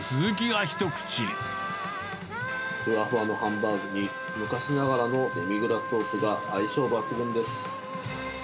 ふわふわのハンバーグに、昔ながらのデミグラスソースが相性抜群です。